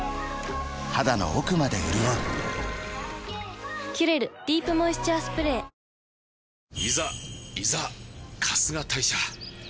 肌の奥まで潤う「キュレルディープモイスチャースプレー」いってらっしゃい！